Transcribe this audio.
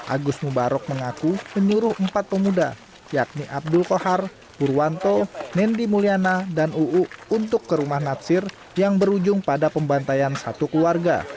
agus mubarok mengaku menyuruh empat pemuda yakni abdul kohar purwanto nendi mulyana dan uu untuk ke rumah natsir yang berujung pada pembantaian satu keluarga